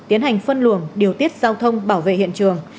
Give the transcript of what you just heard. tiến hành phân luồng điều tiết giao thông bảo vệ hiện trường